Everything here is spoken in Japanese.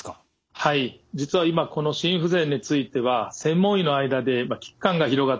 はい実は今この心不全については専門医の間で危機感が広がっております。